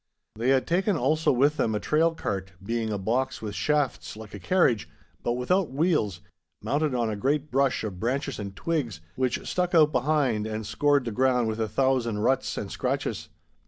They had taken also with them a trail cart, being a box with shafts like a carriage, but without wheels, mounted on a great brush of branches and twigs, which stuck out behind and scored the ground with a thousand ruts and scratches.